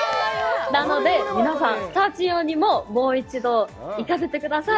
なので、皆さん、スタジオにももう一度行かせてください。